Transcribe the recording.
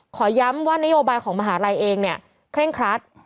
ขอย้ำว่านโยบายของมหาลัยเองเนี่ยเคร่งครัด